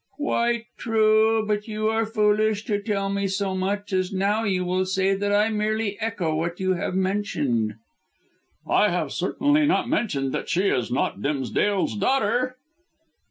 "Quite true; but you are foolish to tell me so much, as now you will say that I merely echo what you have mentioned." "I have certainly not mentioned that she is not Dimsdale's daughter."